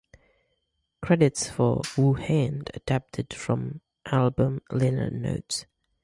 Credits for "Wu Hen" adapted from album liner notes.